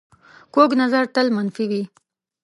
کوږ نظر تل منفي وي